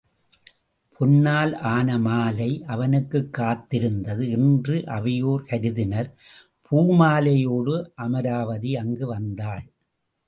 பொன்னால் ஆனமாலை அவனுக்குக் காத்திருந்தது என்று அவையோர் கருதினர் பூமாலையோடு அமராவதி அங்கு வந்தாள்.